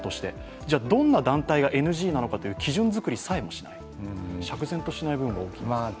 どんな団体がＮＧなのかという基準作りさえもしない釈然としない部分が多いですね。